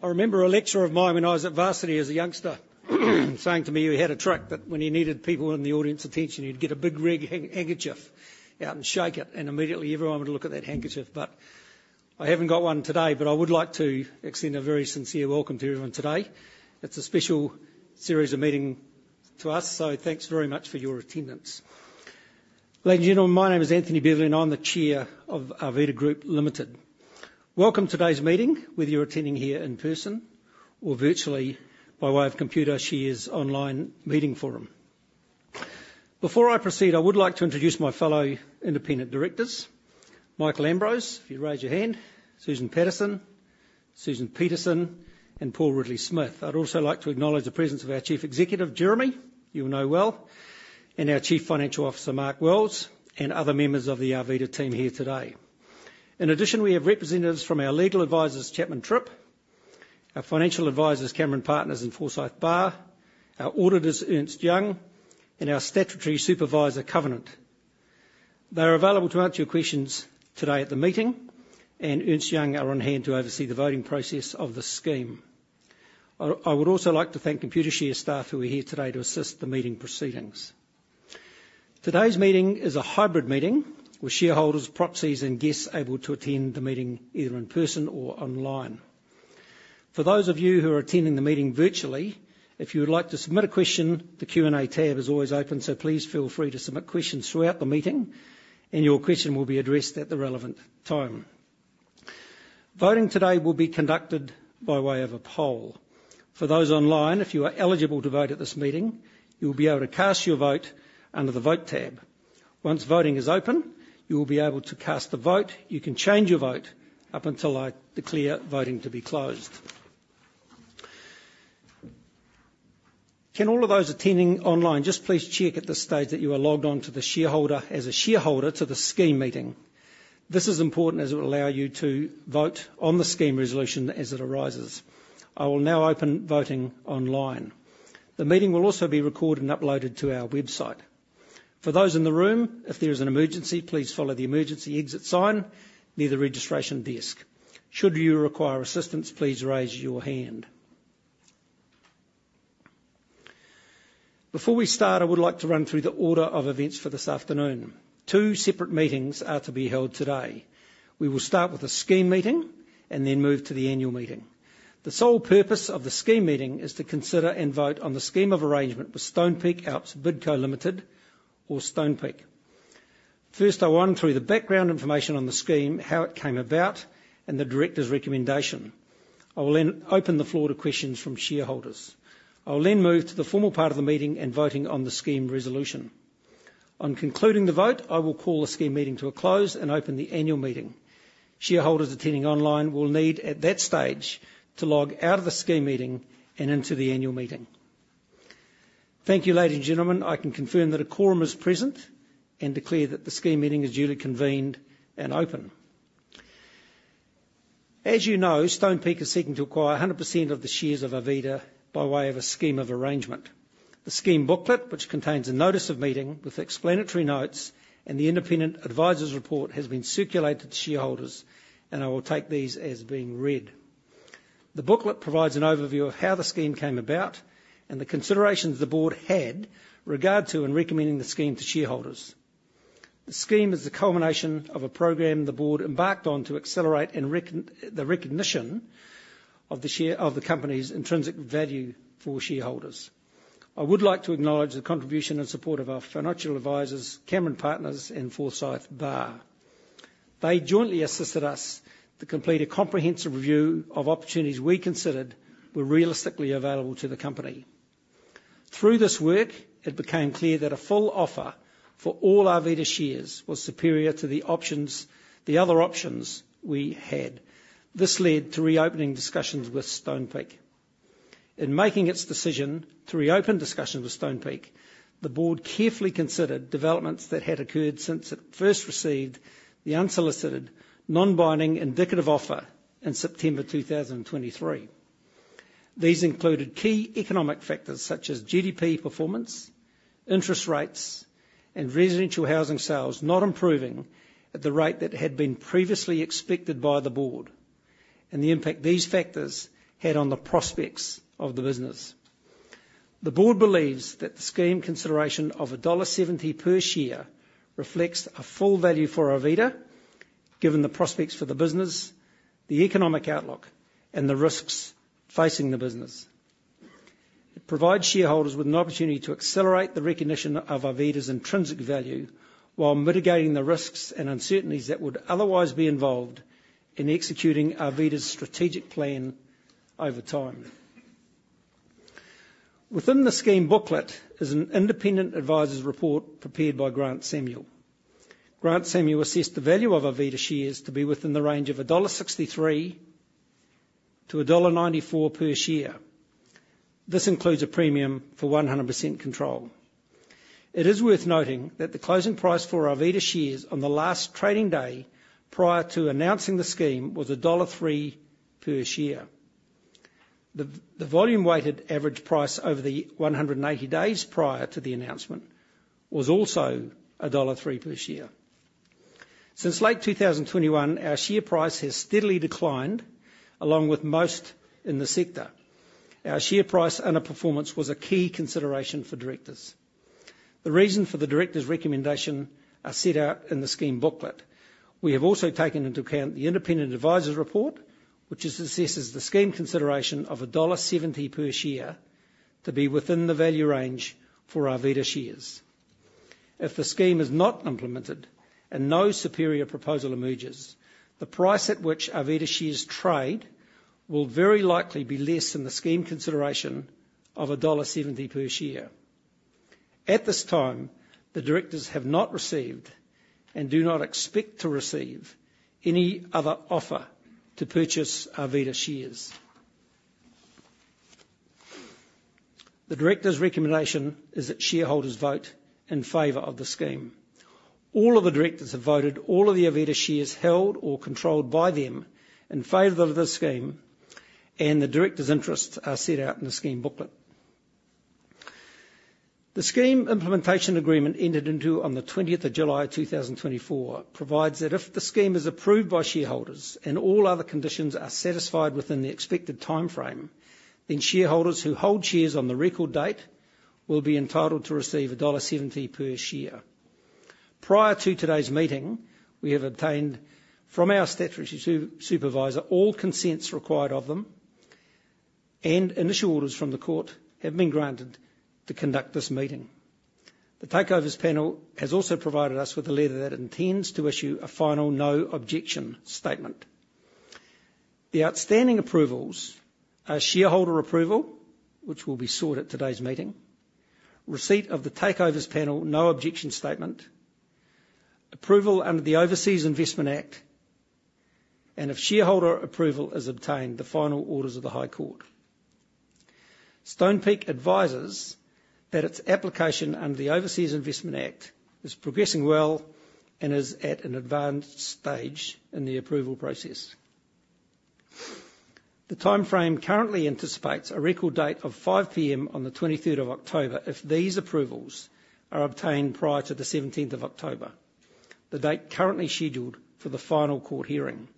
I remember a lecturer of mine when I was at varsity as a youngster, saying to me he had a trick, that when he needed people in the audience attention, he'd get a big red handkerchief out and shake it, and immediately everyone would look at that handkerchief. But I haven't got one today, but I would like to extend a very sincere welcome to everyone today. It's a special series of meeting to us, so thanks very much for your attendance. Ladies and gentlemen, my name is Anthony Beverley, and I'm the Chair of Arvida Group Limited. Welcome today's meeting, whether you're attending here in person or virtually by way of Computershare's online meeting forum. Before I proceed, I would like to introduce my fellow independent directors, Michael Ambrose, if you raise your hand. Susan Paterson, Susan Peterson, and Paul Ridley-Smith. I'd also like to acknowledge the presence of our Chief Executive, Jeremy, you will know well, and our Chief Financial Officer, Mark Wells, and other members of the Arvida team here today. In addition, we have representatives from our legal advisors, Chapman Tripp, our financial advisors, Cameron Partners and Forsyth Barr, our auditors, Ernst & Young, and our statutory supervisor, Covenant. They are available to answer your questions today at the meeting, and Ernst & Young are on hand to oversee the voting process of the scheme. I would also like to thank Computershare staff who are here today to assist the meeting proceedings. Today's meeting is a hybrid meeting with shareholders, proxies, and guests able to attend the meeting either in person or online. For those of you who are attending the meeting virtually, if you would like to submit a question, the Q&A tab is always open, so please feel free to submit questions throughout the meeting, and your question will be addressed at the relevant time. Voting today will be conducted by way of a poll. For those online, if you are eligible to vote at this meeting, you'll be able to cast your vote under the Vote tab. Once voting is open, you will be able to cast a vote. You can change your vote up until I declare voting to be closed. Can all of those attending online just please check at this stage that you are logged on as a shareholder to the scheme meeting? This is important as it will allow you to vote on the scheme resolution as it arises. I will now open voting online. The meeting will also be recorded and uploaded to our website. For those in the room, if there is an emergency, please follow the emergency exit sign near the registration desk. Should you require assistance, please raise your hand. Before we start, I would like to run through the order of events for this afternoon. Two separate meetings are to be held today. We will start with a scheme meeting and then move to the annual meeting. The sole purpose of the scheme meeting is to consider and vote on the scheme of arrangement with Stonepeak Alps Bidco Limited or Stonepeak. First, I'll run through the background information on the scheme, how it came about, and the directors' recommendation. I will then open the floor to questions from shareholders. I'll then move to the formal part of the meeting and voting on the scheme resolution. On concluding the vote, I will call the scheme meeting to a close and open the annual meeting. Shareholders attending online will need, at that stage, to log out of the scheme meeting and into the annual meeting. Thank you, ladies and gentlemen. I can confirm that a quorum is present and declare that the scheme meeting is duly convened and open. As you know, Stonepeak is seeking to acquire 100% of the shares of Arvida by way of a scheme of arrangement. The scheme booklet, which contains a notice of meeting with explanatory notes and the independent advisors' report, has been circulated to shareholders, and I will take these as being read. The booklet provides an overview of how the scheme came about and the considerations the board had regard to in recommending the scheme to shareholders. The scheme is the culmination of a program the board embarked on to accelerate the recognition of the company's intrinsic value for shareholders. I would like to acknowledge the contribution and support of our financial advisors, Cameron Partners and Forsyth Barr. They jointly assisted us to complete a comprehensive review of opportunities we considered were realistically available to the company. Through this work, it became clear that a full offer for all Arvida shares was superior to the other options we had. This led to reopening discussions with Stonepeak. In making its decision to reopen discussions with Stonepeak, the board carefully considered developments that had occurred since it first received the unsolicited, non-binding, indicative offer in September 2023. These included key economic factors such as GDP performance, interest rates, and residential housing sales not improving at the rate that had been previously expected by the board, and the impact these factors had on the prospects of the business. The board believes that the scheme consideration of dollar 1.70 per share reflects a full value for Arvida, given the prospects for the business, the economic outlook, and the risks facing the business. It provides shareholders with an opportunity to accelerate the recognition of Arvida's intrinsic value while mitigating the risks and uncertainties that would otherwise be involved in executing Arvida's strategic plan over time. Within the scheme booklet is an independent advisor's report prepared by Grant Samuel. Grant Samuel assessed the value of Arvida shares to be within the range of 1.63-1.94 dollar per share. This includes a premium for 100% control. It is worth noting that the closing price for Arvida shares on the last trading day prior to announcing the scheme was dollar 1.03 per share. The volume weighted average price over the 180 days prior to the announcement was also dollar 1.03 per share. Since late 2021, our share price has steadily declined, along with most in the sector. Our share price underperformance was a key consideration for directors. The reason for the directors' recommendation are set out in the scheme booklet. We have also taken into account the independent advisor's report, which assesses the scheme consideration of dollar 1.70 per share to be within the value range for Arvida shares. If the scheme is not implemented and no superior proposal emerges, the price at which Arvida shares trade will very likely be less than the scheme consideration of dollar 1.70 per share. At this time, the directors have not received, and do not expect to receive, any other offer to purchase Arvida shares. The directors' recommendation is that shareholders vote in favor of the scheme. All of the directors have voted all of the Arvida shares held or controlled by them in favor of this scheme, and the directors' interests are set out in the scheme booklet. The Scheme Implementation Agreement, entered into on the twentieth of July two thousand twenty-four, provides that if the scheme is approved by shareholders and all other conditions are satisfied within the expected timeframe, then shareholders who hold shares on the record date will be entitled to receive dollar 1.70 per share. Prior to today's meeting, we have obtained from our statutory supervisor all consents required of them, and initial orders from the court have been granted to conduct this meeting. The Takeovers Panel has also provided us with a letter that intends to issue a final no objection statement. The outstanding approvals are shareholder approval, which will be sought at today's meeting, receipt of the Takeovers Panel no objection statement, approval under the Overseas Investment Act, and if shareholder approval is obtained, the final orders of the High Court. Stonepeak advises that its application under the Overseas Investment Act is progressing well and is at an advanced stage in the approval process. The timeframe currently anticipates a record date of 5:00 P.M. on the twenty-third of October, if these approvals are obtained prior to the seventeenth of October, the date currently scheduled for the final court hearing.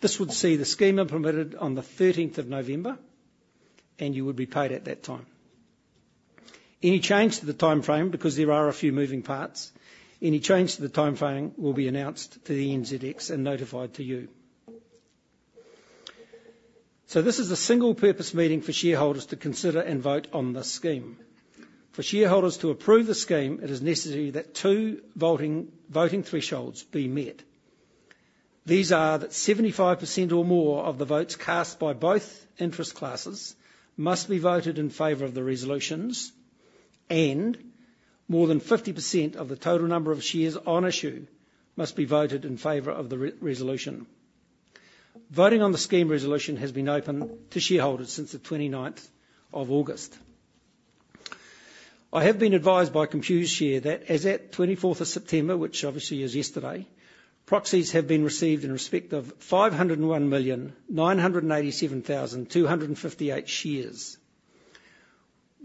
This would see the scheme implemented on the thirteenth of November, and you would be paid at that time. Any change to the timeframe, because there are a few moving parts. Any change to the timeframe will be announced to the NZX and notified to you. So this is a single-purpose meeting for shareholders to consider and vote on this scheme. For shareholders to approve the scheme, it is necessary that two voting thresholds be met. These are that 75% or more of the votes cast by both interest classes must be voted in favor of the resolutions, and more than 50% of the total number of shares on issue must be voted in favor of the resolution. Voting on the scheme resolution has been open to shareholders since the twenty-ninth of August. I have been advised by Computershare that as at twenty-fourth of September, which obviously is yesterday, proxies have been received in respect of five hundred and one million, nine hundred and eighty-seven thousand, two hundred and fifty-eight shares.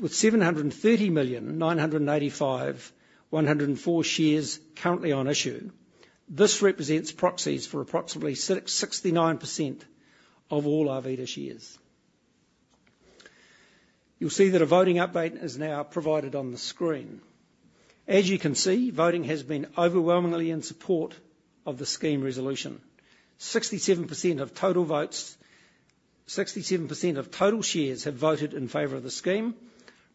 With seven hundred and thirty million, nine hundred and eighty-five, one hundred and four shares currently on issue, this represents proxies for approximately 69% of all Arvida shares. You'll see that a voting update is now provided on the screen. As you can see, voting has been overwhelmingly in support of the scheme resolution. 67% of total votes, 67% of total shares have voted in favor of the scheme.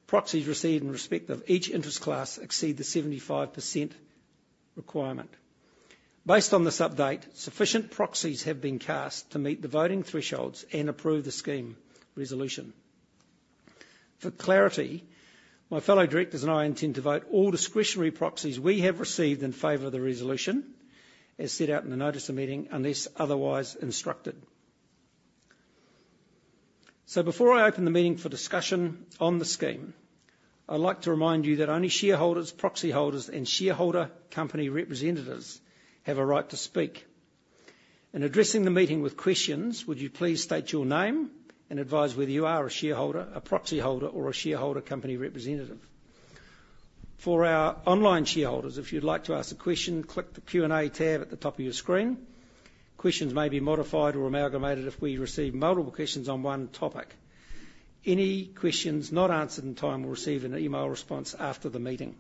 Proxies received in respect of each interest class exceed the 75% requirement. Based on this update, sufficient proxies have been cast to meet the voting thresholds and approve the scheme resolution. For clarity, my fellow directors and I intend to vote all discretionary proxies we have received in favor of the resolution, as set out in the notice of meeting, unless otherwise instructed. So before I open the meeting for discussion on the scheme, I'd like to remind you that only shareholders, proxy holders, and shareholder company representatives have a right to speak. In addressing the meeting with questions, would you please state your name and advise whether you are a shareholder, a proxy holder, or a shareholder company representative? For our online shareholders, if you'd like to ask a question, click the Q&A tab at the top of your screen. Questions may be modified or amalgamated if we receive multiple questions on one topic. Any questions not answered in time will receive an email response after the meeting.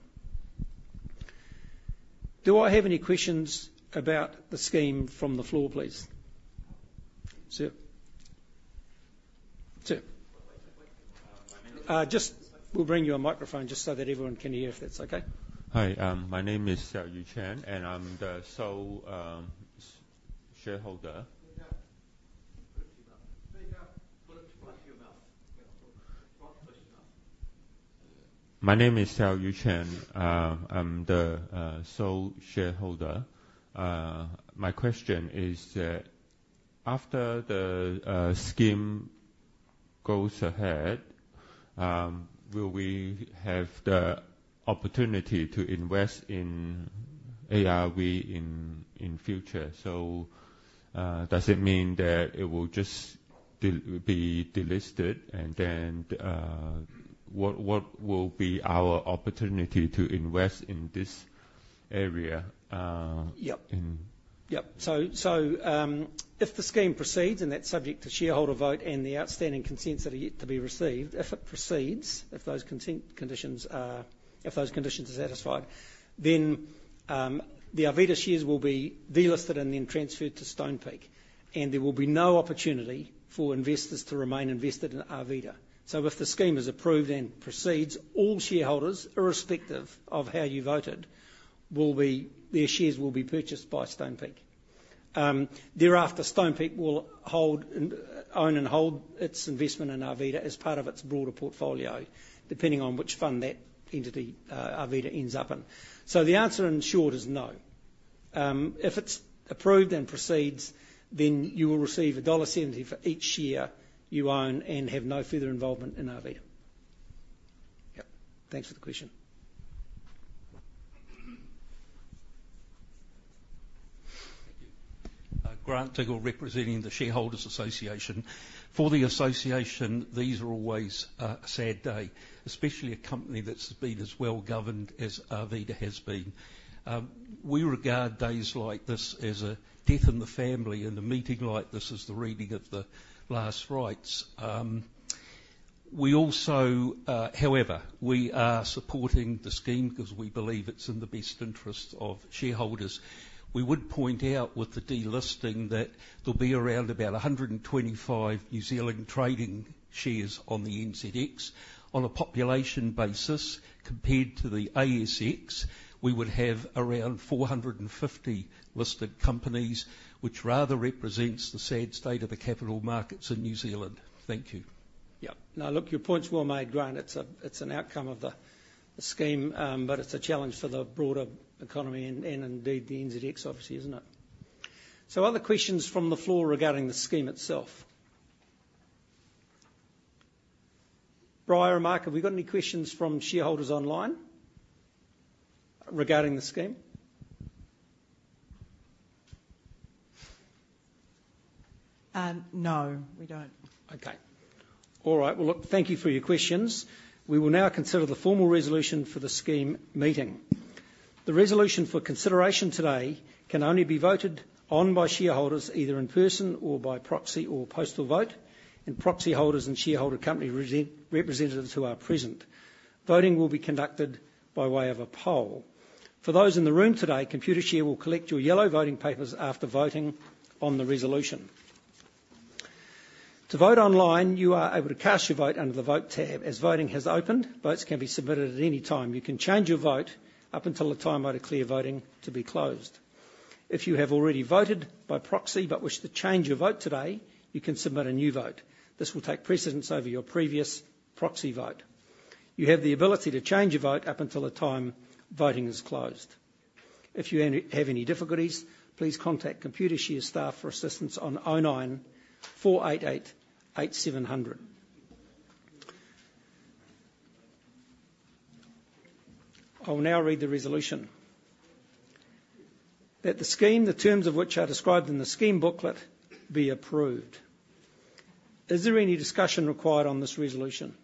Do I have any questions about the scheme from the floor, please? Sir? Sir. I'll just, we'll bring you a microphone just so that everyone can hear, if that's okay. Hi, my name is Xiaoyu Chen, and I'm the sole shareholder. My name is Xiaoyu Chen. I'm the sole shareholder. My question is that after the scheme goes ahead, will we have the opportunity to invest in ARV in future? So, does it mean that it will just be delisted, and then, what will be our opportunity to invest in this area? Yep, Yep. So, if the scheme proceeds, and that's subject to shareholder vote and the outstanding consents that are yet to be received, if it proceeds, if those consent conditions are satisfied, then the Arvida shares will be delisted and then transferred to Stonepeak, and there will be no opportunity for investors to remain invested in Arvida. So if the scheme is approved and proceeds, all shareholders, irrespective of how you voted, will be, their shares will be purchased by Stonepeak. Thereafter, Stonepeak will hold and own and hold its investment in Arvida as part of its broader portfolio, depending on which fund that entity, Arvida ends up in. So the answer in short is no. If it's approved and proceeds, then you will receive dollar 1.70 for each share you own and have no further involvement in Arvida. Yep, thanks for the question. Grant Diggle, representing the Shareholders Association. For the association, these are always a sad day, especially a company that's been as well-governed as Arvida has been. We regard days like this as a death in the family, and a meeting like this is the reading of the last rites. We also... However, we are supporting the scheme because we believe it's in the best interest of shareholders. We would point out with the delisting, that there'll be around about a hundred and twenty-five New Zealand trading shares on the NZX. On a population basis, compared to the ASX, we would have around four hundred and fifty listed companies, which rather represents the sad state of the capital markets in New Zealand. Thank you. Yep. Now, look, your point's well made, Grant. It's an outcome of the scheme, but it's a challenge for the broader economy and, and indeed, the NZX, obviously, isn't it? So are there questions from the floor regarding the scheme itself? Briar, Mark, have we got any questions from shareholders online regarding the scheme? No, we don't. Okay. All right. Well, look, thank you for your questions. We will now consider the formal resolution for the scheme meeting. The resolution for consideration today can only be voted on by shareholders, either in person or by proxy or postal vote, and proxy holders and shareholder company representatives who are present. Voting will be conducted by way of a poll. For those in the room today, Computershare will collect your yellow voting papers after voting on the resolution. To vote online, you are able to cast your vote under the Vote tab. As voting has opened, votes can be submitted at any time. You can change your vote up until the time I declare voting to be closed. If you have already voted by proxy but wish to change your vote today, you can submit a new vote. This will take precedence over your previous proxy vote. You have the ability to change your vote up until the time voting is closed. If you have any difficulties, please contact Computershare staff for assistance on 09-488 -8700. I will now read the resolution. That the scheme, the terms of which are described in the scheme booklet, be approved. Is there any discussion required on this resolution?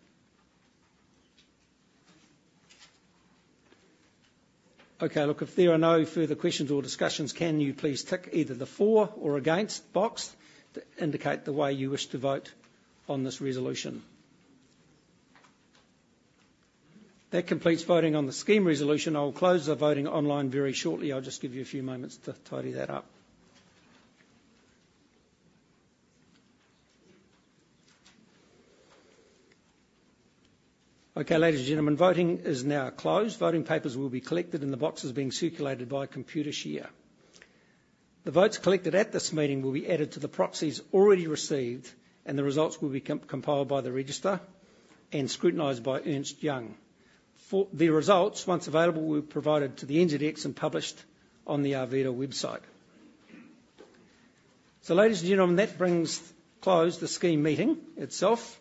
Okay, look, if there are no further questions or discussions, can you please tick either the for or against box to indicate the way you wish to vote on this resolution? That completes voting on the scheme resolution. I will close the voting online very shortly. I'll just give you a few moments to tidy that up. Okay, ladies and gentlemen, voting is now closed. Voting papers will be collected in the boxes being circulated by Computershare. The votes collected at this meeting will be added to the proxies already received, and the results will be compiled by the registrar and scrutinized by Ernst & Young. The results, once available, will be provided to the NZX and published on the Arvida website. Ladies and gentlemen, that brings to a close the scheme meeting itself.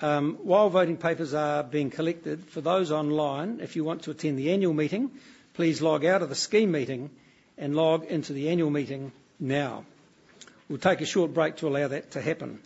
While voting papers are being collected, for those online, if you want to attend the annual meeting, please log out of the scheme meeting and log into the annual meeting now. We'll take a short break to allow that to happen.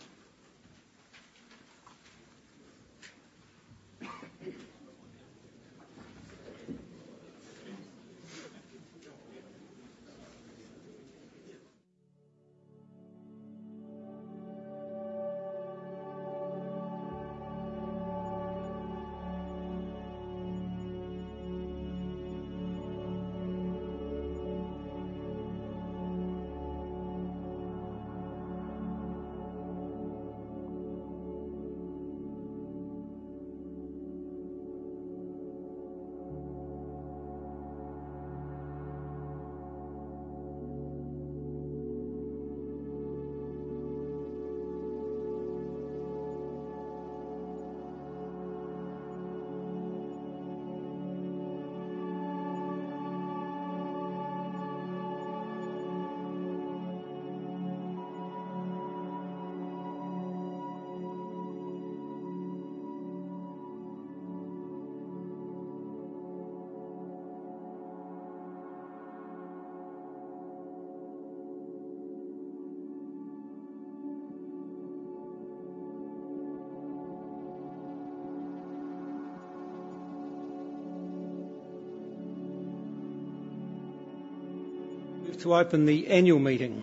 To open the annual meeting.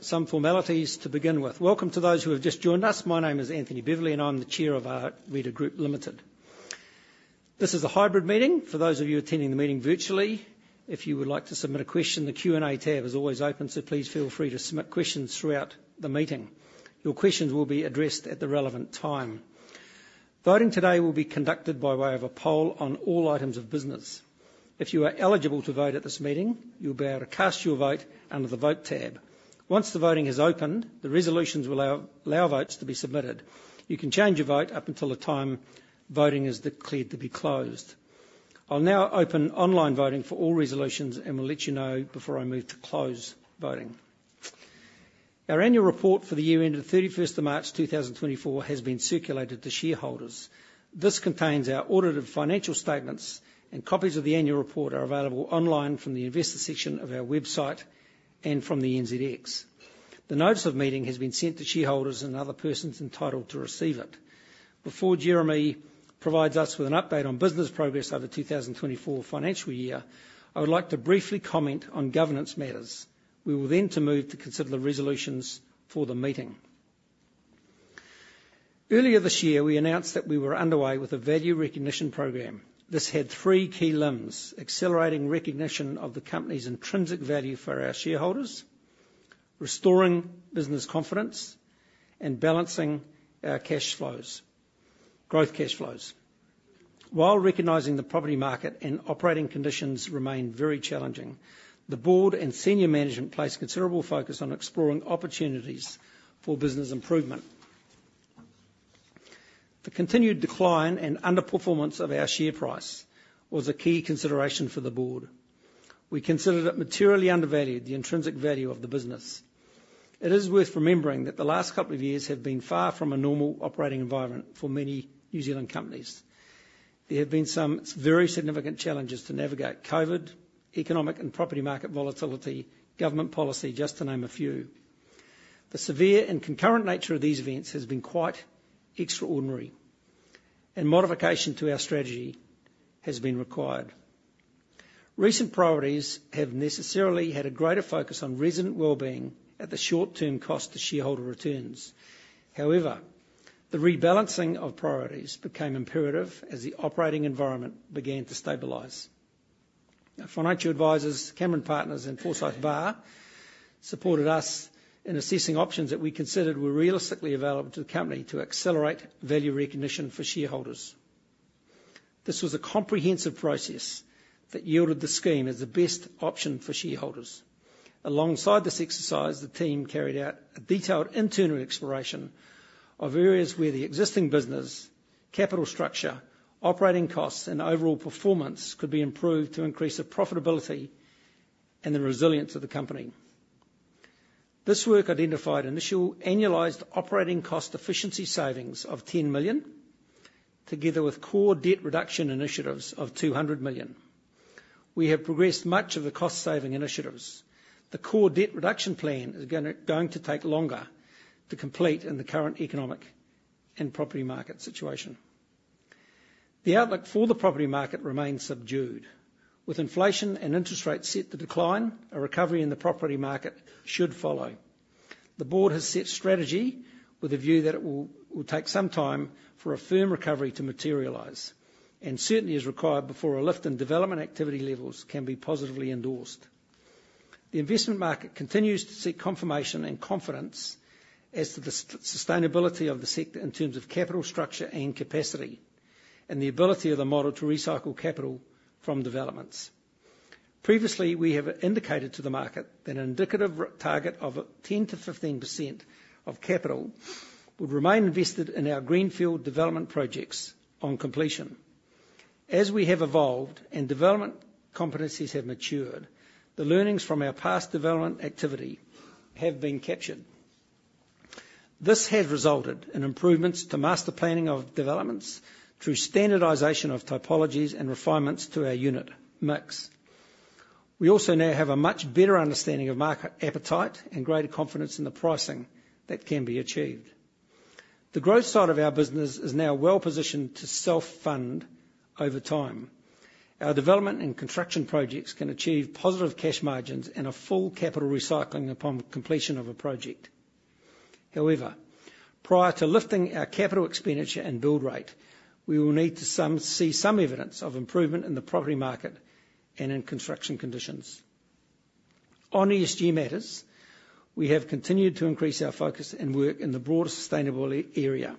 Some formalities to begin with. Welcome to those who have just joined us. My name is Anthony Beverley, and I'm the Chair of our Arvida Group Limited. This is a hybrid meeting. For those of you attending the meeting virtually, if you would like to submit a question, the Q&A tab is always open, so please feel free to submit questions throughout the meeting. Your questions will be addressed at the relevant time. Voting today will be conducted by way of a poll on all items of business. If you are eligible to vote at this meeting, you'll be able to cast your vote under the Vote tab. Once the voting is opened, the resolutions will allow votes to be submitted. You can change your vote up until the time voting is declared to be closed. I'll now open online voting for all resolutions and will let you know before I move to close voting. Our annual report for the year ending thirty-first of March, twenty twenty-four, has been circulated to shareholders. This contains our audited financial statements, and copies of the annual report are available online from the investor section of our website and from the NZX. The notice of meeting has been sent to shareholders and other persons entitled to receive it. Before Jeremy provides us with an update on business progress over the 2024 financial year, I would like to briefly comment on governance matters. We will then move to consider the resolutions for the meeting. Earlier this year, we announced that we were underway with a value recognition program. This had three key limbs: accelerating recognition of the company's intrinsic value for our shareholders, restoring business confidence, and balancing our cash flows, growth cash flows. While recognizing the property market and operating conditions remain very challenging, the board and senior management placed considerable focus on exploring opportunities for business improvement. The continued decline and underperformance of our share price was a key consideration for the board. We considered it materially undervalued, the intrinsic value of the business. It is worth remembering that the last couple of years have been far from a normal operating environment for many New Zealand companies. There have been some very significant challenges to navigate: COVID, economic and property market volatility, government policy, just to name a few. The severe and concurrent nature of these events has been quite extraordinary, and modification to our strategy has been required. Recent priorities have necessarily had a greater focus on resident well-being at the short-term cost to shareholder returns. However, the rebalancing of priorities became imperative as the operating environment began to stabilize. Our financial advisors, Cameron Partners and Forsyth Barr, supported us in assessing options that we considered were realistically available to the company to accelerate value recognition for shareholders. This was a comprehensive process that yielded the scheme as the best option for shareholders. Alongside this exercise, the team carried out a detailed internal exploration of areas where the existing business, capital structure, operating costs, and overall performance could be improved to increase the profitability and the resilience of the company. This work identified initial annualized operating cost efficiency savings of 10 million, together with core debt reduction initiatives of 200 million. We have progressed much of the cost-saving initiatives. The core debt reduction plan is going to take longer to complete in the current economic and property market situation. The outlook for the property market remains subdued. With inflation and interest rates set to decline, a recovery in the property market should follow. The board has set strategy with a view that it will take some time for a firm recovery to materialize, and certainly is required before a lift in development activity levels can be positively endorsed. The investment market continues to seek confirmation and confidence as to the sustainability of the sector in terms of capital structure and capacity, and the ability of the model to recycle capital from developments. Previously, we have indicated to the market that an indicative target of 10%-15% of capital would remain invested in our greenfield development projects on completion. As we have evolved and development competencies have matured, the learnings from our past development activity have been captured. This has resulted in improvements to master planning of developments through standardization of typologies and refinements to our unit mix. We also now have a much better understanding of market appetite and greater confidence in the pricing that can be achieved. The growth side of our business is now well-positioned to self-fund over time. Our development and construction projects can achieve positive cash margins and a full capital recycling upon completion of a project. However, prior to lifting our capital expenditure and build rate, we will need to see some evidence of improvement in the property market and in construction conditions. On ESG matters, we have continued to increase our focus and work in the broader sustainability area.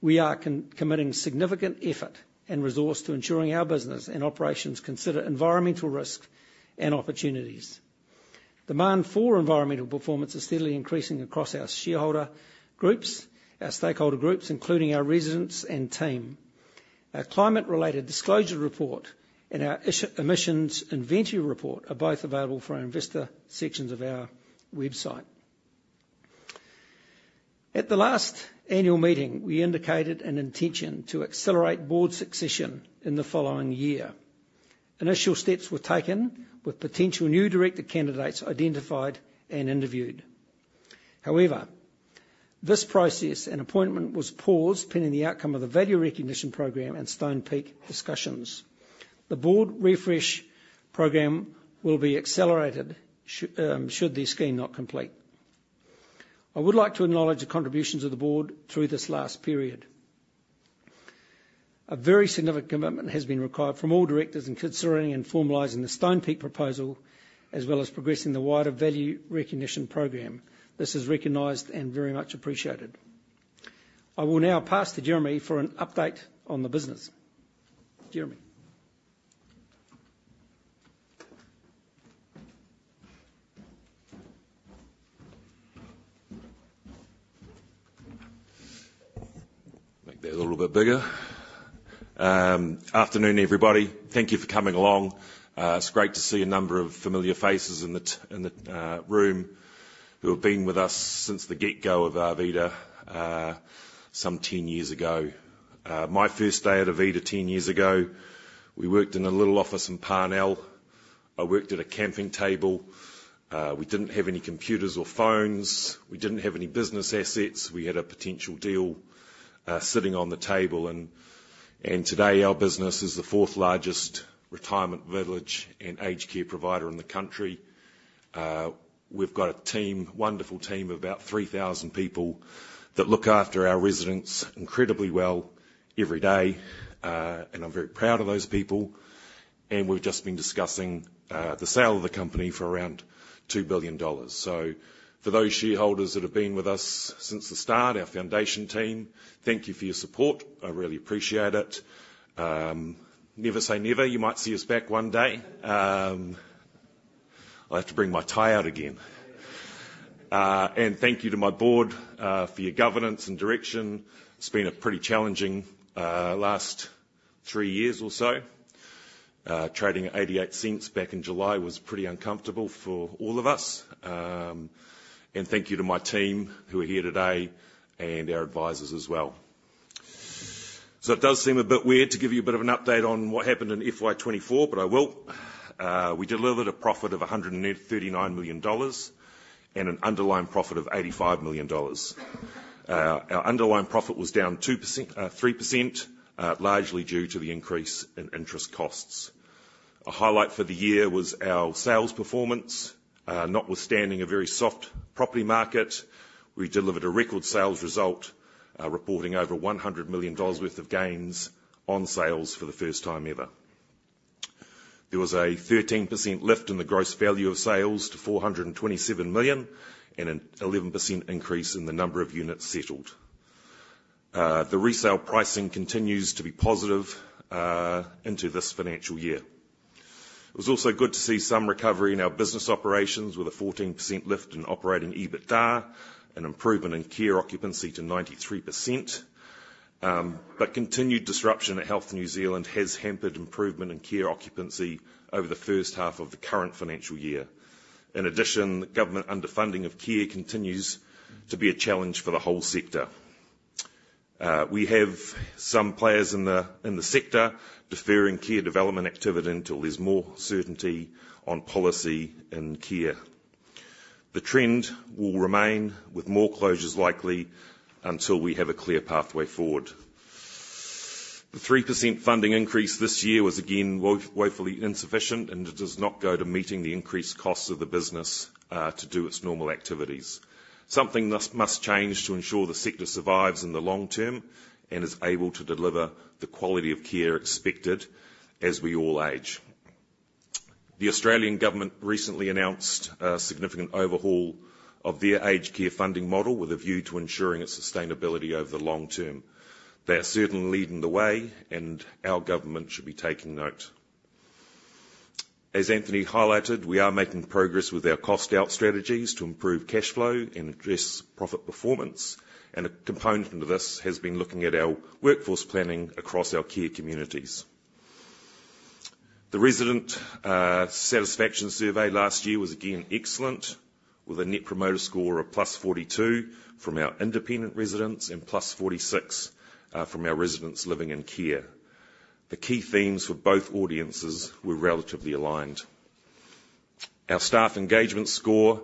We are committing significant effort and resource to ensuring our business and operations consider environmental risks and opportunities. Demand for environmental performance is steadily increasing across our shareholder groups, our stakeholder groups, including our residents and team. Our climate-related disclosure report and our Scope 1 emissions inventory report are both available for our investor sections of our website. At the last annual meeting, we indicated an intention to accelerate board succession in the following year. Initial steps were taken, with potential new director candidates identified and interviewed. However, this process and appointment was paused pending the outcome of the value recognition program and Stonepeak discussions. The board refresh program will be accelerated should the scheme not complete. I would like to acknowledge the contributions of the board through this last period. A very significant commitment has been required from all directors in considering and formalizing the Stonepeak proposal, as well as progressing the wider value recognition program. This is recognized and very much appreciated. I will now pass to Jeremy for an update on the business. Jeremy? Make that a little bit bigger. Afternoon, everybody. Thank you for coming along. It's great to see a number of familiar faces in the room, who have been with us since the get-go of Arvida, some 10 years ago. My first day at Arvida 10 years ago, we worked in a little office in Parnell. I worked at a camping table. We didn't have any computers or phones. We didn't have any business assets. We had a potential deal sitting on the table, and today, our business is the fourth largest retirement village and aged care provider in the country. We've got a wonderful team of about 3,000 people that look after our residents incredibly well every day. I'm very proud of those people, and we've just been discussing the sale of the company for around NZ$2 billion. So for those shareholders that have been with us since the start, our foundation team, thank you for your support. I really appreciate it. Never say never, you might see us back one day. I'll have to bring my tie out again. Thank you to my board for your governance and direction. It's been a pretty challenging last three years or so. Trading at NZ$0.88 back in July was pretty uncomfortable for all of us. Thank you to my team who are here today, and our advisors as well. So it does seem a bit weird to give you a bit of an update on what happened in FY 2024, but I will. We delivered a profit of 139 million dollars and an underlying profit of 85 million dollars. Our underlying profit was down 2%, 3%, largely due to the increase in interest costs. A highlight for the year was our sales performance. Notwithstanding a very soft property market, we delivered a record sales result, reporting over 100 million dollars worth of gains on sales for the first time ever. There was a 13% lift in the gross value of sales to 427 million, and an 11% increase in the number of units settled. The resale pricing continues to be positive into this financial year. It was also good to see some recovery in our business operations, with a 14% lift in operating EBITDA, an improvement in care occupancy to 93%. But continued disruption at Health New Zealand has hampered improvement in care occupancy over the first half of the current financial year. In addition, government underfunding of care continues to be a challenge for the whole sector. We have some players in the sector deferring care development activity until there's more certainty on policy in care. The trend will remain, with more closures likely, until we have a clear pathway forward. The 3% funding increase this year was, again, woefully insufficient, and it does not go to meeting the increased costs of the business, to do its normal activities. Something thus must change to ensure the sector survives in the long term and is able to deliver the quality of care expected as we all age. The Australian government recently announced a significant overhaul of their aged care funding model, with a view to ensuring its sustainability over the long term. They are certainly leading the way, and our government should be taking note. As Anthony highlighted, we are making progress with our cost-out strategies to improve cash flow and address profit performance, and a component of this has been looking at our workforce planning across our care communities. The resident satisfaction survey last year was again excellent, with a Net Promoter Score of plus forty-two from our independent residents and plus forty-six from our residents living in care. The key themes for both audiences were relatively aligned. Our staff engagement score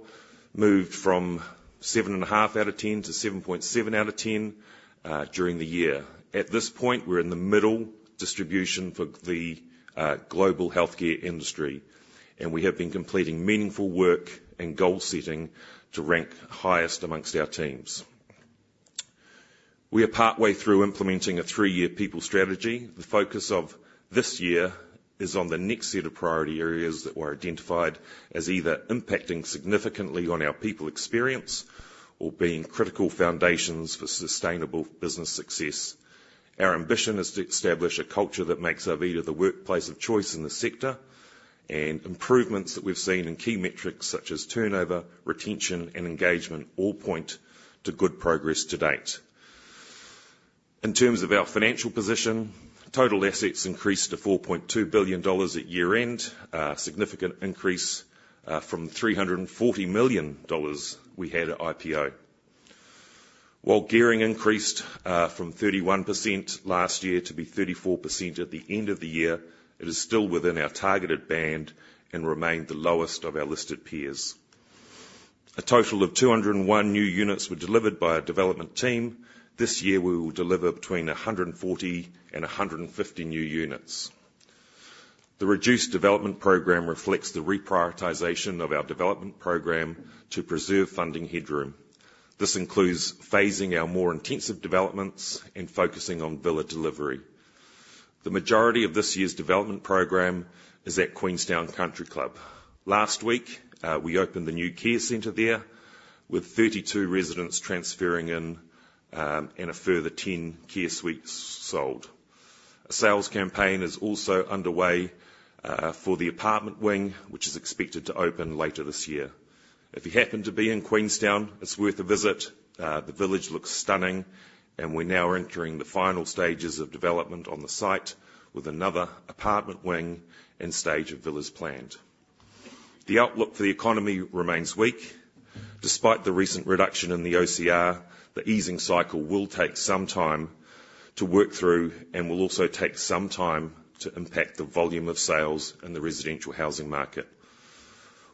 moved from seven and a half out of ten to seven point seven out of ten during the year. At this point, we're in the middle distribution for the global healthcare industry, and we have been completing meaningful work and goal setting to rank highest amongst our teams. We are partway through implementing a three-year people strategy. The focus of this year is on the next set of priority areas that were identified as either impacting significantly on our people experience or being critical foundations for sustainable business success. Our ambition is to establish a culture that makes Arvida the workplace of choice in the sector, and improvements that we've seen in key metrics such as turnover, retention, and engagement all point to good progress to date. In terms of our financial position, total assets increased to 4.2 billion dollars at year-end, a significant increase from 340 million dollars we had at IPO. While gearing increased, from 31% last year to be 34% at the end of the year, it is still within our targeted band and remained the lowest of our listed peers. A total of 201 new units were delivered by our development team. This year, we will deliver between 140 and 150 new units. The reduced development program reflects the reprioritization of our development program to preserve funding headroom. This includes phasing our more intensive developments and focusing on villa delivery. The majority of this year's development program is at Queenstown Country Club. Last week, we opened the new care center there, with 32 residents transferring in, and a further 10 care suites sold. A sales campaign is also underway for the apartment wing, which is expected to open later this year. If you happen to be in Queenstown, it's worth a visit. The village looks stunning, and we're now entering the final stages of development on the site, with another apartment wing and stage of villas planned. The outlook for the economy remains weak. Despite the recent reduction in the OCR, the easing cycle will take some time to work through and will also take some time to impact the volume of sales in the residential housing market.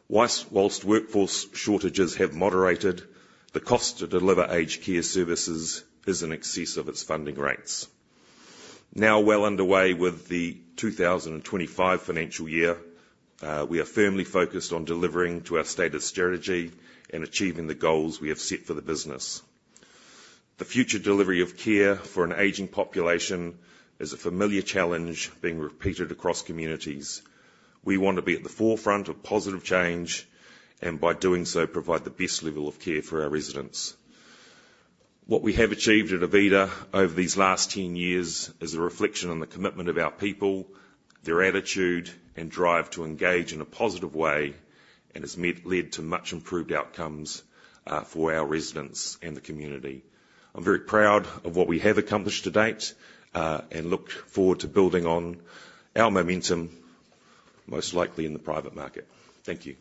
While workforce shortages have moderated, the cost to deliver aged care services is in excess of its funding rates. Now well underway with the two thousand and twenty-five financial year, we are firmly focused on delivering to our stated strategy and achieving the goals we have set for the business. The future delivery of care for an aging population is a familiar challenge being repeated across communities. We want to be at the forefront of positive change, and by doing so, provide the best level of care for our residents. What we have achieved at Arvida over these last ten years is a reflection on the commitment of our people, their attitude, and drive to engage in a positive way, and has led to much improved outcomes for our residents and the community. I'm very proud of what we have accomplished to date, and look forward to building on our momentum, most likely in the private market. Thank you.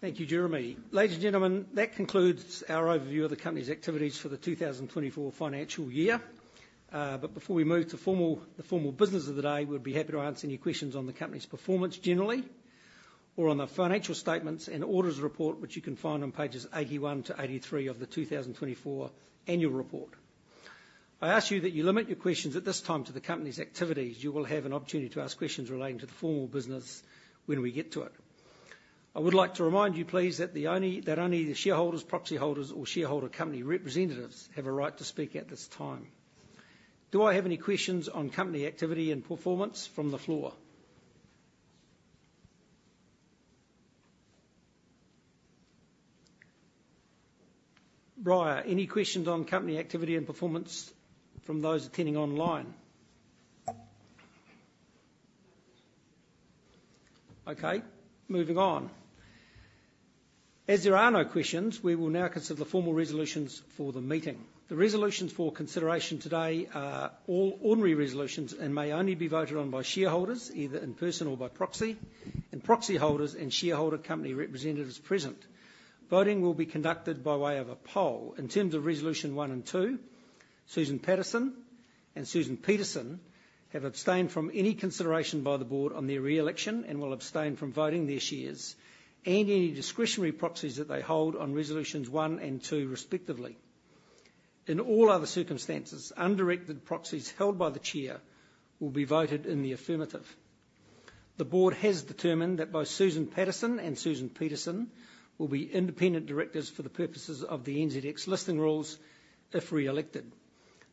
Thank you, Jeremy. Ladies and gentlemen, that concludes our overview of the company's activities for the two thousand and twenty-four financial year. But before we move to the formal business of the day, we'd be happy to answer any questions on the company's performance generally, or on the financial statements and auditors' report, which you can find on pages 81 to 83 of the two thousand and twenty-four annual report. I ask you that you limit your questions at this time to the company's activities. You will have an opportunity to ask questions relating to the formal business when we get to it. I would like to remind you, please, that only the shareholders, proxy holders, or shareholder company representatives have a right to speak at this time. Do I have any questions on company activity and performance from the floor? Briar, any questions on company activity and performance from those attending online? No questions. Okay, moving on. As there are no questions, we will now consider the formal resolutions for the meeting. The resolutions for consideration today are all ordinary resolutions and may only be voted on by shareholders, either in person or by proxy, and proxy holders and shareholder company representatives present. Voting will be conducted by way of a poll. In terms of Resolution one and two, Susan Paterson and Susan Peterson have abstained from any consideration by the board on their re-election and will abstain from voting their shares and any discretionary proxies that they hold on Resolutions one and two, respectively. In all other circumstances, undirected proxies held by the chair will be voted in the affirmative. The board has determined that both Susan Paterson and Susan Peterson will be independent directors for the purposes of the NZX listing rules, if re-elected.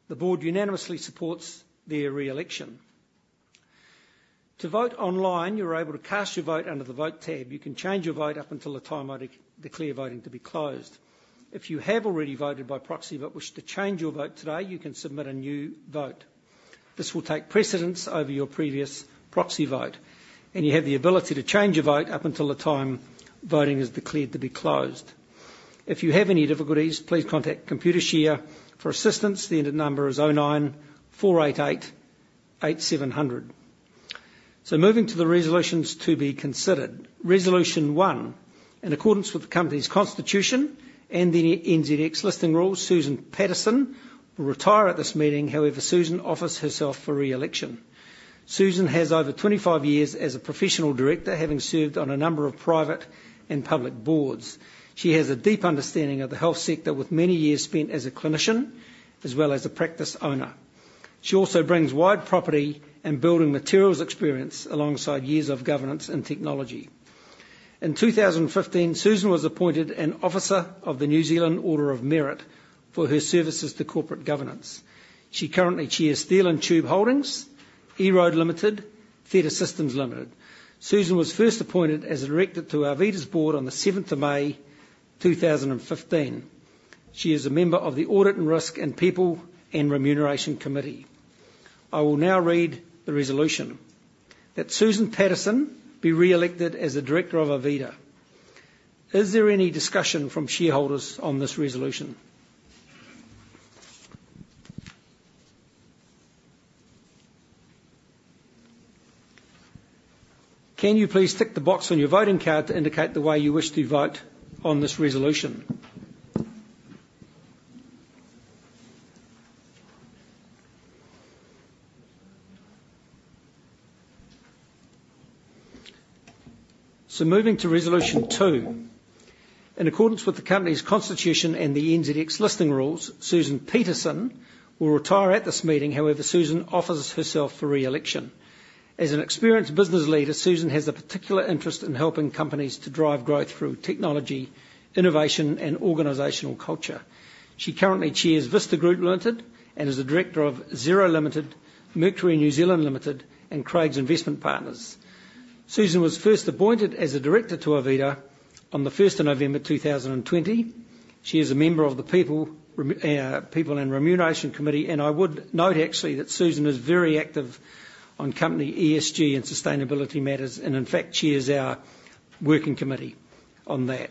The board unanimously supports their re-election. To vote online, you're able to cast your vote under the Vote tab. You can change your vote up until the time I declare voting to be closed. If you have already voted by proxy, but wish to change your vote today, you can submit a new vote. This will take precedence over your previous proxy vote, and you have the ability to change your vote up until the time voting is declared to be closed. If you have any difficulties, please contact Computershare for assistance. The number is 09 488 8700. So moving to the resolutions to be considered. Resolution one, in accordance with the company's constitution and the NZX listing rules, Susan Paterson will retire at this meeting. However, Susan offers herself for re-election. Susan has over twenty-five years as a professional director, having served on a number of private and public boards. She has a deep understanding of the health sector, with many years spent as a clinician as well as a practice owner. She also brings wide property and building materials experience, alongside years of governance and technology. In two thousand and fifteen, Susan was appointed an Officer of the New Zealand Order of Merit for her services to corporate governance. She currently chairs Steel & Tube Holdings, EROAD Limited, Theta Systems Limited. Susan was first appointed as a director to Arvida's board on the 7th of May, two thousand and fifteen. She is a member of the Audit and Risk, and People and Remuneration Committee. I will now read the resolution: That Susan Paterson be re-elected as a director of Arvida. Is there any discussion from shareholders on this resolution? Can you please tick the box on your voting card to indicate the way you wish to vote on this resolution? Moving to Resolution Two. In accordance with the company's constitution and the NZX listing rules, Susan Peterson will retire at this meeting. However, Susan offers herself for re-election. As an experienced business leader, Susan has a particular interest in helping companies to drive growth through technology, innovation, and organizational culture. She currently chairs Vista Group Limited, and is a director of Xero Limited, Mercury New Zealand Limited, and Craigs Investment Partners. Susan was first appointed as a director to Arvida on the first of November, two thousand and twenty. She is a member of the People and Remuneration Committee, and I would note, actually, that Susan is very active on company ESG and sustainability matters, and in fact, she is our working committee on that,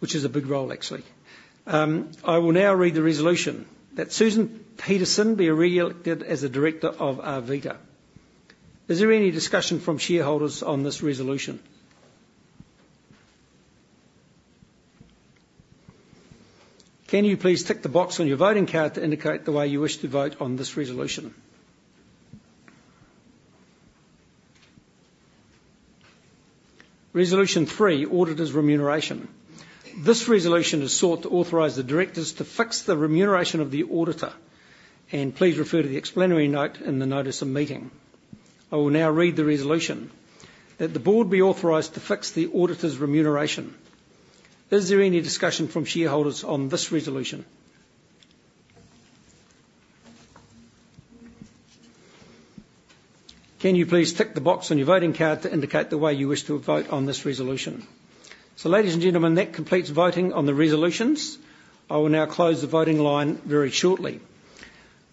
which is a big role, actually. I will now read the resolution: That Susan Peterson be re-elected as a director of Arvida. Is there any discussion from shareholders on this resolution? Can you please tick the box on your voting card to indicate the way you wish to vote on this resolution? Resolution Three: Auditor's Remuneration. This resolution is sought to authorize the directors to fix the remuneration of the auditor, and please refer to the explanatory note in the notice of meeting. I will now read the resolution: That the board be authorized to fix the auditor's remuneration. Is there any discussion from shareholders on this resolution? Can you please tick the box on your voting card to indicate the way you wish to vote on this resolution? So ladies and gentlemen, that completes voting on the resolutions. I will now close the voting line very shortly.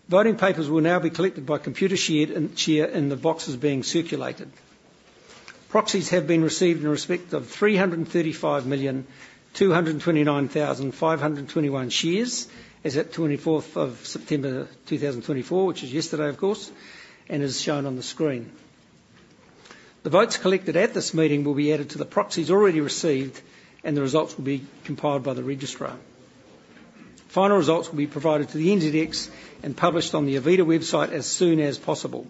Voting papers will now be collected by Computershare in the boxes being circulated. Proxies have been received in respect of three hundred and thirty-five million, two hundred and twenty-nine thousand, five hundred and twenty-one shares, as at twenty-fourth of September, two thousand and twenty-four, which is yesterday, of course, and is shown on the screen. The votes collected at this meeting will be added to the proxies already received, and the results will be compiled by the registrar. Final results will be provided to the NZX and published on the Arvida website as soon as possible.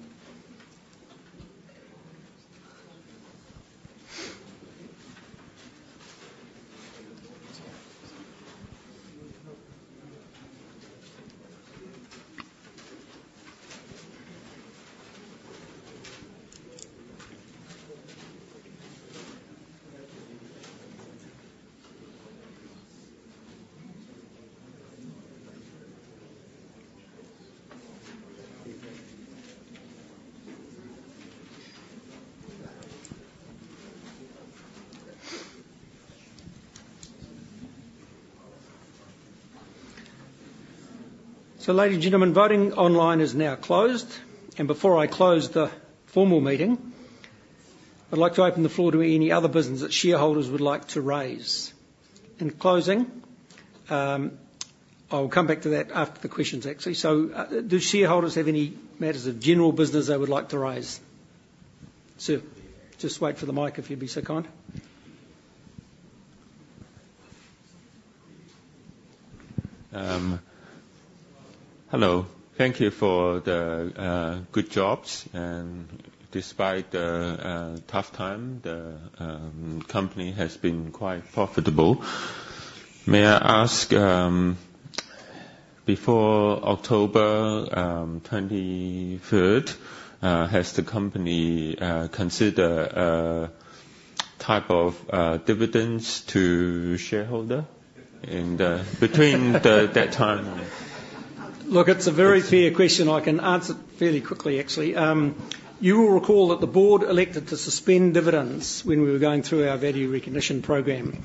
So ladies and gentlemen, voting online is now closed, and before I close the formal meeting, I'd like to open the floor to any other business that shareholders would like to raise. In closing, I'll come back to that after the questions, actually. So, do shareholders have any matters of general business they would like to raise? Sir, just wait for the mic, if you'd be so kind. Hello. Thank you for the good jobs, and despite the tough time, the company has been quite profitable. May I ask, before October twenty-third, has the company considered a type of dividends to shareholder? And between then, that time? Look, it's a very fair question. I can answer it fairly quickly, actually. You will recall that the board elected to suspend dividends when we were going through our value recognition program.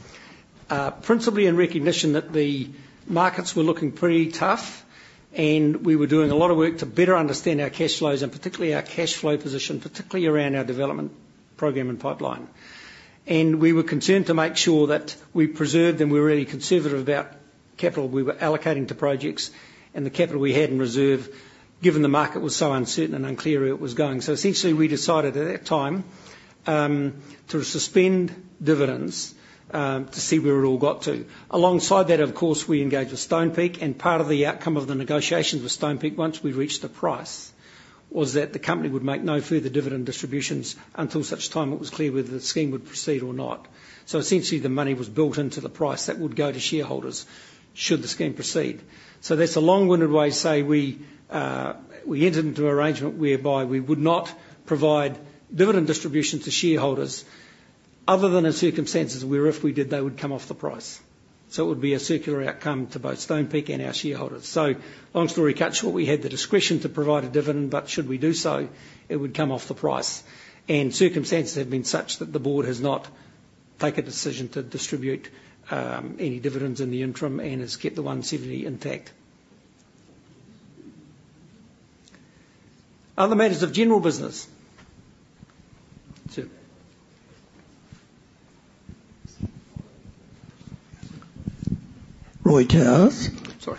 Principally in recognition that the markets were looking pretty tough, and we were doing a lot of work to better understand our cash flows, and particularly our cash flow position, particularly around our development program and pipeline. And we were concerned to make sure that we preserved, and we were really conservative about capital we were allocating to projects and the capital we had in reserve, given the market was so uncertain and unclear where it was going. So essentially, we decided at that time, to suspend dividends, to see where it all got to. Alongside that, of course, we engaged with Stonepeak, and part of the outcome of the negotiations with Stonepeak, once we'd reached a price, was that the company would make no further dividend distributions until such time it was clear whether the scheme would proceed or not. So essentially, the money was built into the price that would go to shareholders should the scheme proceed. So that's a long-winded way to say we, we entered into an arrangement whereby we would not provide dividend distribution to shareholders, other than in circumstances where if we did, they would come off the price. So it would be a circular outcome to both Stonepeak and our shareholders. So long story cut short, we had the discretion to provide a dividend, but should we do so, it would come off the price. And circumstances have been such that the board has not taken a decision to distribute any dividends in the interim and has kept the 1.70 intact. Other matters of general business? Sir. Roy Towers. Sorry.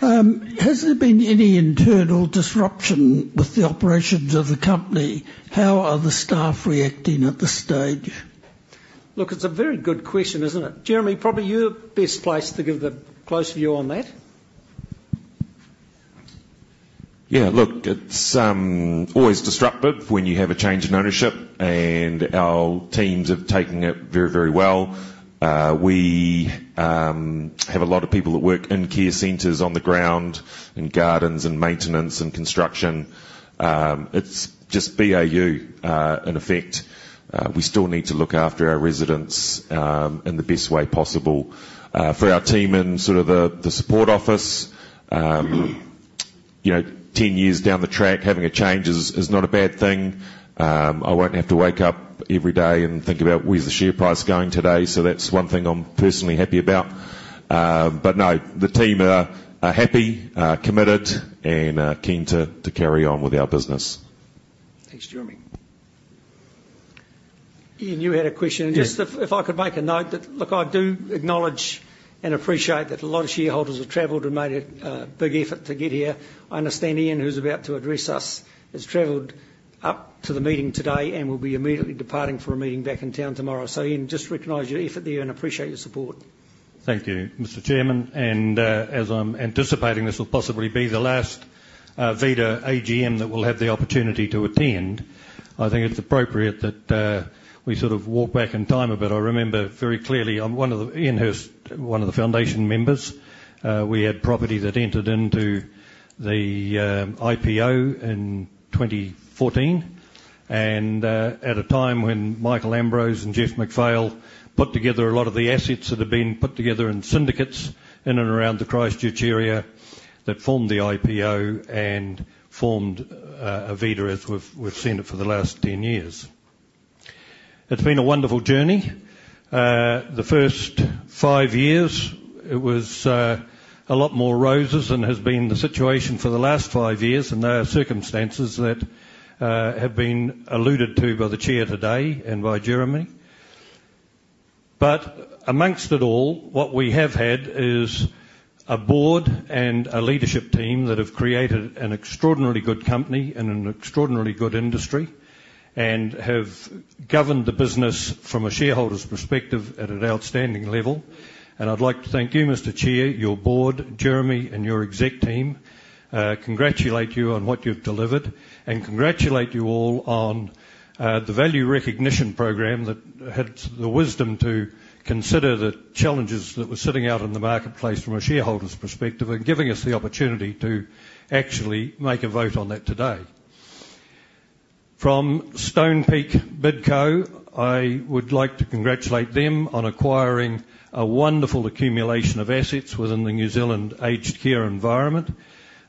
Has there been any internal disruption with the operations of the company? How are the staff reacting at this stage? Look, it's a very good question, isn't it? Jeremy, probably you're best placed to give the closer view on that. Yeah, look, it's always disruptive when you have a change in ownership, and our teams have taken it very, very well. We have a lot of people that work in care centers on the ground, in gardens, and maintenance, and construction. It's just BAU in effect. We still need to look after our residents in the best way possible. For our team in sort of the support office, you know, ten years down the track, having a change is not a bad thing. I won't have to wake up every day and think about where's the share price going today, so that's one thing I'm personally happy about. But no, the team are happy, committed, and keen to carry on with our business. Thanks, Jeremy. Ian, you had a question. Yeah. Just if I could make a note that... Look, I do acknowledge and appreciate that a lot of shareholders have traveled and made a big effort to get here. I understand Ian, who's about to address us, has traveled up to the meeting today and will be immediately departing for a meeting back in town tomorrow. So, Ian, just recognize your effort there and appreciate your support. Thank you, Mr. Chairman, and as I'm anticipating, this will possibly be the last Arvida AGM that we'll have the opportunity to attend. I think it's appropriate that we sort of walk back in time a bit. I remember very clearly, I'm one of the... Ian Hirst, one of the foundation members. We had property that entered into the IPO in twenty fourteen, and at a time when Michael Ambrose and Geoff McPhail put together a lot of the assets that had been put together in syndicates in and around the Christchurch area that formed the IPO and formed Arvida, as we've seen it for the last ten years. It's been a wonderful journey. The first five years, it was a lot more roses than has been the situation for the last five years, and there are circumstances that have been alluded to by the Chair today and by Jeremy. But amongst it all, what we have had is a board and a leadership team that have created an extraordinarily good company and an extraordinarily good industry, and have governed the business from a shareholder's perspective at an outstanding level. And I'd like to thank you, Mr. Chair, your board, Jeremy, and your exec team. Congratulate you on what you've delivered, and congratulate you all on the value recognition program that had the wisdom to consider the challenges that were sitting out in the marketplace from a shareholder's perspective, and giving us the opportunity to actually make a vote on that today. From Stonepeak Bidco, I would like to congratulate them on acquiring a wonderful accumulation of assets within the New Zealand aged care environment.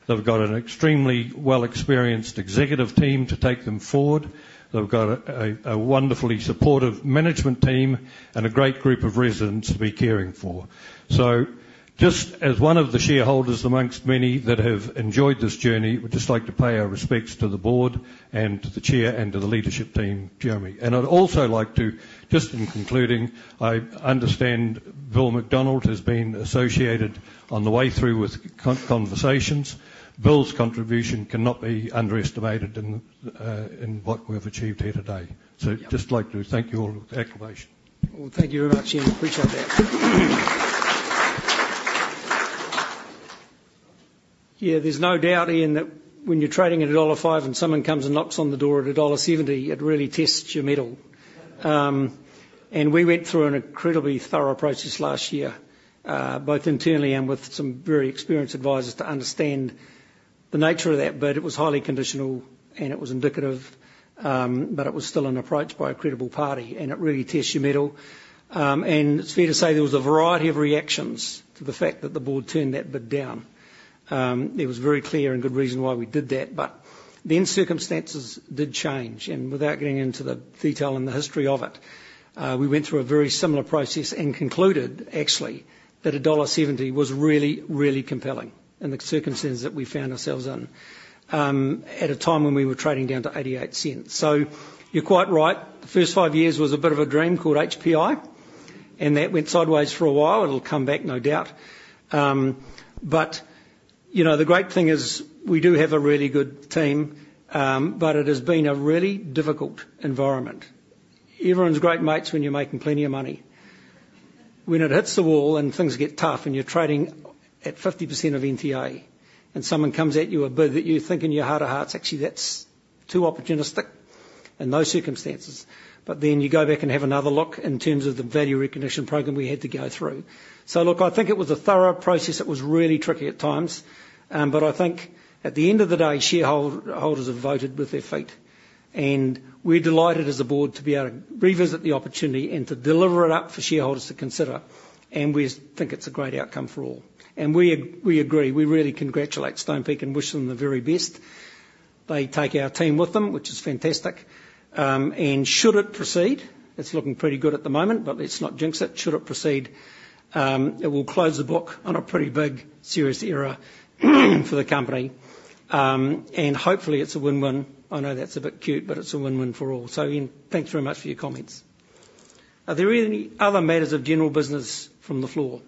They've got an extremely well-experienced executive team to take them forward. They've got a wonderfully supportive management team and a great group of residents to be caring for. Just as one of the shareholders amongst many that have enjoyed this journey, we'd just like to pay our respects to the board and to the Chair and to the leadership team, Jeremy. I'd also like to, just in concluding, I understand Bill McDonald has been associated on the way through with conversations. Bill's contribution cannot be underestimated in what we have achieved here today. Yeah. So just like to thank you all with acclamation. Well, thank you very much, Ian. Appreciate that. Yeah, there's no doubt, Ian, that when you're trading at $1.05 and someone comes and knocks on the door at $1.70, it really tests your mettle. And we went through an incredibly thorough process last year, both internally and with some very experienced advisors, to understand the nature of that. But it was highly conditional, and it was indicative, but it was still an approach by a credible party, and it really tests your mettle. And it's fair to say there was a variety of reactions to the fact that the board turned that bid down. It was very clear and good reason why we did that, but then circumstances did change, and without getting into the detail and the history of it, we went through a very similar process and concluded actually, that $1.70 was really, really compelling in the circumstances that we found ourselves in, at a time when we were trading down to $0.88. You're quite right, the first five years was a bit of a dream called HPI, and that went sideways for a while. It'll come back, no doubt. You know, the great thing is we do have a really good team, but it has been a really difficult environment. Everyone's great mates when you're making plenty of money. When it hits the wall and things get tough and you're trading at 50% of NTA, and someone comes at you a bid that you think in your heart of hearts, actually, that's too opportunistic in those circumstances, but then you go back and have another look in terms of the value recognition program we had to go through. So look, I think it was a thorough process. It was really tricky at times, but I think at the end of the day, shareholders have voted with their feet, and we're delighted as a board to be able to revisit the opportunity and to deliver it up for shareholders to consider. And we think it's a great outcome for all. And we agree. We really congratulate Stonepeak and wish them the very best. They take our team with them, which is fantastic. And should it proceed, it's looking pretty good at the moment, but let's not jinx it. Should it proceed, it will close the book on a pretty big, serious era for the company. And hopefully, it's a win-win. I know that's a bit cute, but it's a win-win for all. So Ian, thanks very much for your comments. Are there any other matters of general business from the floor?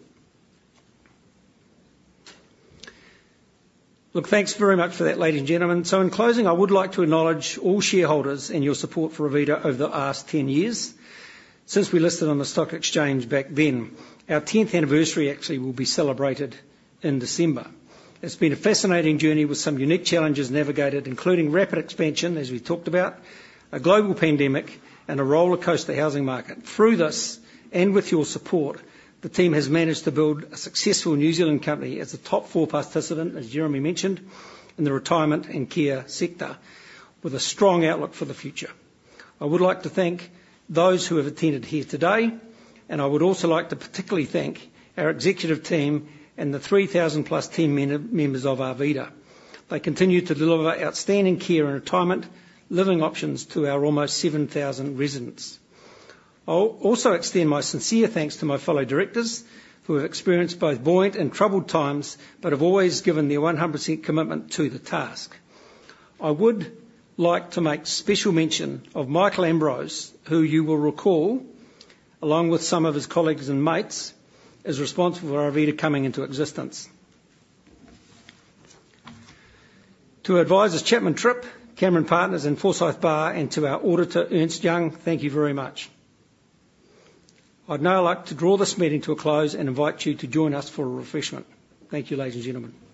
Look, thanks very much for that, ladies and gentlemen. So in closing, I would like to acknowledge all shareholders and your support for Arvida over the last 10 years since we listed on the stock exchange back then. Our 10th anniversary actually will be celebrated in December. It's been a fascinating journey with some unique challenges navigated, including rapid expansion, as we talked about, a global pandemic, and a rollercoaster housing market. Through this, and with your support, the team has managed to build a successful New Zealand company as a top four participant, as Jeremy mentioned, in the retirement and care sector, with a strong outlook for the future. I would like to thank those who have attended here today, and I would also like to particularly thank our executive team and the three thousand plus team members of Arvida. They continue to deliver outstanding care and retirement living options to our almost seven thousand residents. I'll also extend my sincere thanks to my fellow directors, who have experienced both buoyant and troubled times, but have always given their 100% commitment to the task. I would like to make special mention of Michael Ambrose, who you will recall, along with some of his colleagues and mates, is responsible for Arvida coming into existence. To advisors Chapman Tripp, Cameron Partners, and Forsyth Barr, and to our auditor, Ernst & Young, thank you very much. I'd now like to draw this meeting to a close and invite you to join us for a refreshment. Thank you, ladies and gentlemen.